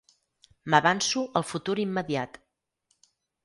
M'avanço al futur immediat.